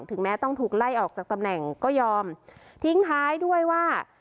แม้ต้องถูกไล่ออกจากตำแหน่งก็ยอมทิ้งท้ายด้วยว่า